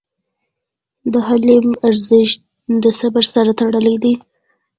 د حلم ارزښت د صبر سره تړلی دی.